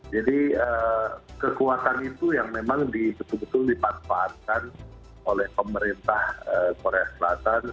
jadi kekuatan itu yang memang betul betul dipanfaatkan oleh pemerintah korea selatan